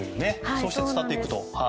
そうして伝わっていくと。